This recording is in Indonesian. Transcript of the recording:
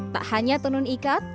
tak hanya tenun ikat